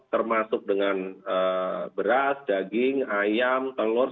termasuk dengan beras daging ayam telur